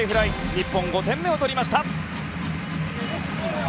日本、５点目を取りました。